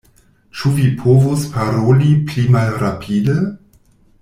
Ĉu vi povus paroli pli malrapide?